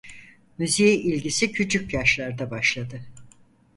Müziğe ilgisi küçük yaşlarda başladı.